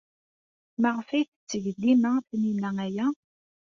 Maɣef ay tetteg dima Taninna aya?